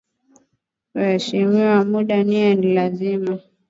Kueshimu muda niya lazima